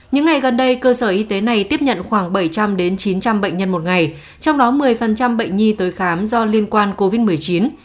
những ngày gần đây cơ sở y tế này tiếp nhận khoảng bảy trăm linh chín trăm linh bệnh nhân một ngày trong đó một mươi bệnh nhi tới khám do liên quan covid một mươi chín